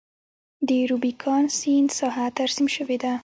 د روبیکان سیند ساحه ترسیم شوې ده.